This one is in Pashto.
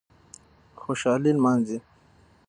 خوشالي نمانځي